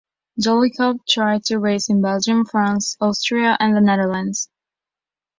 Jolly Club tried to race in Belgium, France, Austria and the Netherlands.